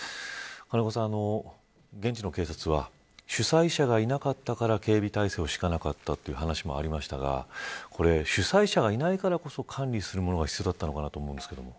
金子さん、現地の警察は主催者がいなかったから警備体制をしかなかったという話もありましたが主催者がいないからこそ管理をするものが必要だったと思いますが。